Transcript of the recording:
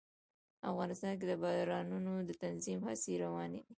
افغانستان کې د بارانونو د تنظیم هڅې روانې دي.